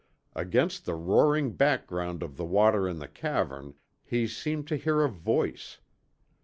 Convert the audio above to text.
Against the roaring background of the water in the cavern, he seemed to hear a voice.